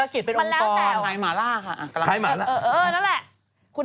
ก็ย้ายไปหมด